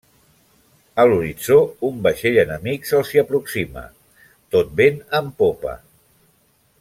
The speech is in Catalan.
A l'horitzó, un vaixell enemic se'ls hi aproxima tot vent en popa.